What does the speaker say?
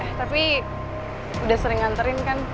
ya tapi udah sering nganterin kan